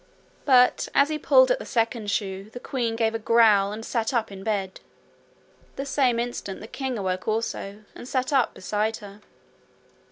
But as he pulled at the second shoe the queen gave a growl and sat up in bed. The same instant the king awoke also and sat up beside her.